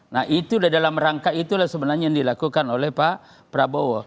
nah itu dalam rangka itulah sebenarnya yang dilakukan oleh pak prabowo